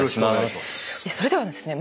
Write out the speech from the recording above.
それではですね